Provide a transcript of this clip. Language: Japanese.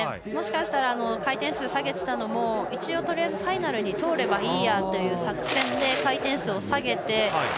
もしかしたら回転数を下げていたのも一応ファイナルに通ればいいやという作戦で、回転数を下げて。